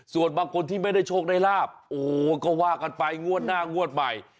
ส่วนบางคนที่ไม่ได้โชคได้ลาบโอ้โหก็ว่ากันไปงวดหน้างวดใหม่